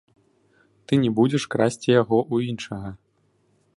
Ты не будзеш красці яго ў іншага.